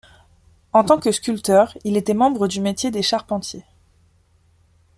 En tant que sculpteur, il était membre du métier des charpentiers.